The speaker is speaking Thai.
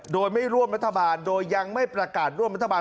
โดยไม่ร่วมรัฐบาลโดยยังไม่ประกาศร่วมรัฐบาล